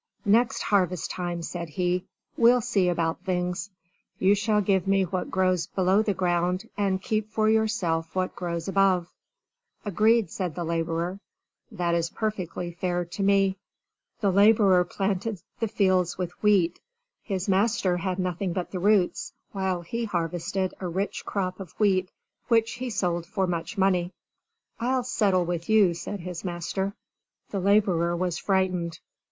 "Next harvest time," said he, "we'll see about things! You shall give me what grows below the ground and keep for yourself what grows above." "Agreed," said the laborer. "That is perfectly fair to me." The laborer planted the fields with wheat. His master had nothing but the roots, while he harvested a rich crop of wheat which he sold for much money. "I'll settle with you," said his master. The laborer was frightened.